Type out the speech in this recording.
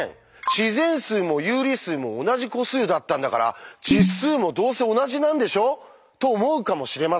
自然数も有理数も同じ個数だったんだから実数もどうせ同じなんでしょ」と思うかもしれません。